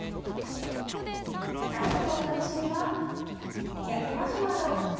最後のお楽しみは焼きマシュマロ。